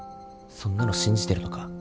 そんなの信じてるのか？